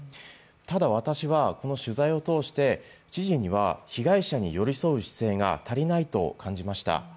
ただ、私は、この取材を通して、知事には被害者に寄り添う姿勢が足りないと感じました。